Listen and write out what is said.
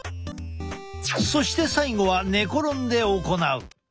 そして最後は寝転んで行う。